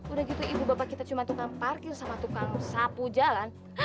udah gitu ibu bapak kita cuma tukang parkir sama tukang sapu jalan